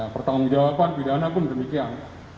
pertanggung jawaban pidana pun demikian